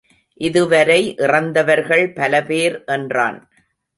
இதுவரை இறந்தவர்கள் பலபேர் என்றான்.